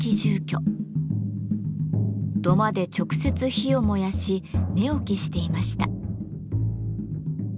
土間で直接火を燃やし寝起きしていました。